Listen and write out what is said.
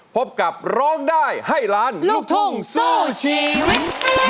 พบกับร้องได้ให้ล้านลูกทุ่งสู้ชีวิต